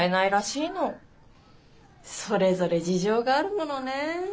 それぞれ事情があるものね。